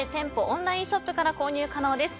オンラインショップから購入可能です。